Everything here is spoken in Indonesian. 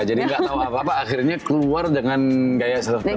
jadi nggak tahu apa apa akhirnya keluar dengan gaya tersendiri